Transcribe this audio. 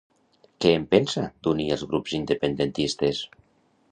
Què en pensa, d'unir els grups independentistes?